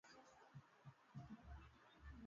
Siku ya jumanne kila mwanachama alikuwa na